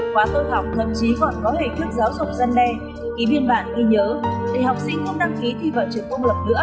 quá tôi học thậm chí còn có hình thức giáo dục dân đe ký biên bản ghi nhớ để học sinh không đăng ký thi vào trường công lập nữa